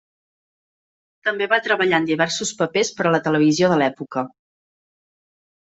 També va treballar en diversos papers per a la televisió de l'època.